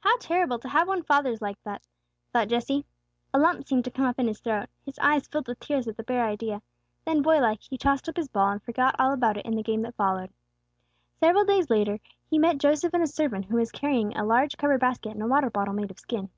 "How terrible to have one's father like that," thought Jesse. A lump seemed to come up in his throat; his eyes filled with tears at the bare idea. Then, boy like, he tossed up his ball, and forgot all about it in the game that followed. Several days after he met Joseph and a servant who was carrying a large, covered basket and a water bottle made of skin.